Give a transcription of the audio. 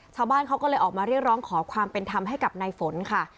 ชาวบ้านเขาก็เลยออกมาเรียกร้องขอความเป็นธรรมให้กับนายฝนค่ะ